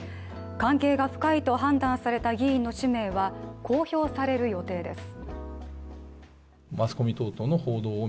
関係が深いと判断された議員の氏名は公表される予定です。